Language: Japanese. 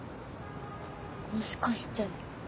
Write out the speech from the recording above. もしかして。